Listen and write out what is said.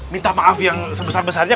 minta maaf yang sebesar besarnya